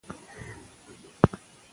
که سپورت وکړو نو بدن نه خوږیږي.